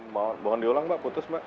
mohon diulang mbak putus mbak